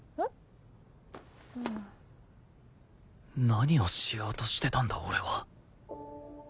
何をしようとしてたんだ俺は